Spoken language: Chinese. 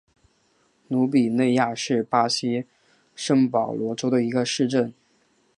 鲁比内亚是巴西圣保罗州的一个市镇。